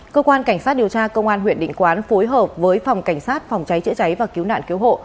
cơ quan cảnh sát điều tra công an huyện định quán phối hợp với phòng cảnh sát phòng cháy chữa cháy và cứu nạn cứu hộ